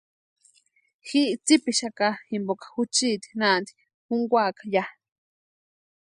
Ji tsipixaka jimpoka juchiti naanti junkwaaka ya.